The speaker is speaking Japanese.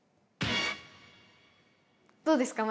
どうですか？